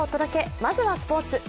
まずはスポーツ。